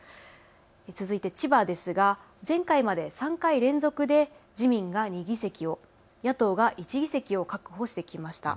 続いて千葉ですが前回まで３回連続で自民が２議席を、野党が１議席を確保してきました。